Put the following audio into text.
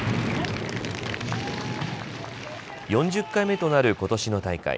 ４０回目となることしの大会。